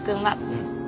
うん。